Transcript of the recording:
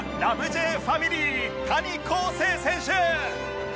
Ｊ ファミリー谷晃生選手